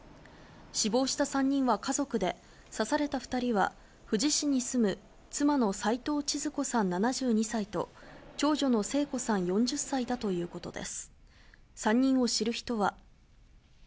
死亡した３人は家族で刺された２人は、富士市に住む妻の斉藤ちづ子さん７２歳と長女の聖子さん４０歳だということです。